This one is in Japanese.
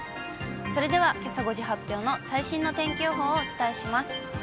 それでは、けさ５時発表の最新の天気予報をお伝えします。